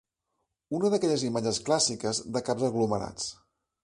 Una d'aquelles imatges clàssiques de caps aglomerats.